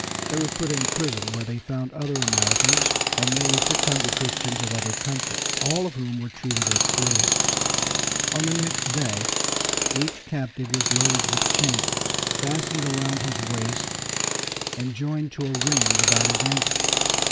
They were put in prison, where they found other Americans, and nearly six hundred Christians of other countries, all of whom were treated as slaves. On the next day each captive was loaded with chains, fastened around his waist and joined to a ring about his ankle.